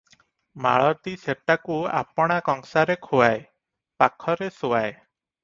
ମାଳତୀ ସେଟାକୁ ଆପଣା କଂସାରେ ଖୁଆଏ, ପାଖରେ ଶୁଆଏ ।